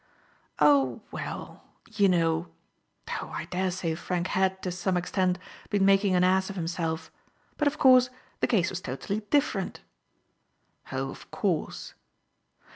" Oh — ^well — you know — oh, I dare say Frank had, to some extent, been making an ass of him self. But, of course, the case was totally dif ferent." " Oh, of course."